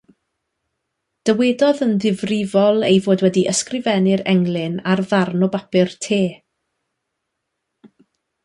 Dywedodd yn ddifrifol ei fod wedi ysgrifennu'r englyn ar ddarn o bapur te.